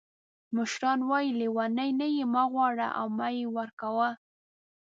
مشران وایي لیوني نه یې مه غواړه او مه یې ورکوه.